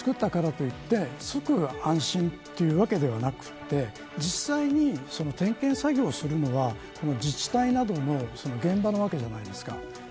ただ点検本部をつくったからといって、すぐ安心というわけではなくて実際に点検作業をするのは自治体などの現場なわけじゃないですか。